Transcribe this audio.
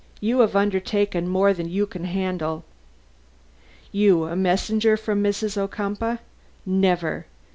You have undertaken more than you can handle. You, a messenger from Mrs. Ocumpaugh? Never.